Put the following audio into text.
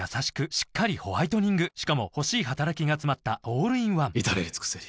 しっかりホワイトニングしかも欲しい働きがつまったオールインワン至れり尽せり